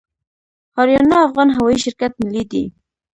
اریانا افغان هوایی شرکت ملي دی